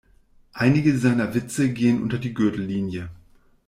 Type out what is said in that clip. Einige seiner Witze gehen unter die Gürtellinie.